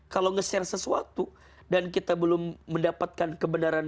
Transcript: kalau nge share sesuatu dan kita belum mendapatkan kebenaran